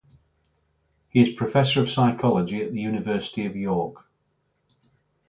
He is professor of psychology at the University of York.